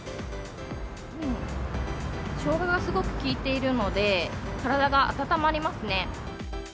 ショウガがすごく効いているので、体が温まりますね。